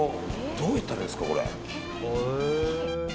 どうやったらいいんですか。